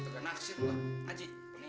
terkenal kesini kong